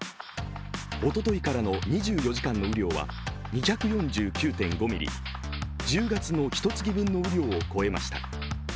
おとといからの２４時間の雨量は２４９．５ミリ１０月のひとつき分の雨量を超えました。